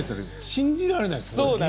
信じられないです。